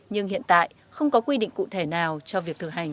nhưng hiện tại không có quy định cụ thể nào cho việc thực hành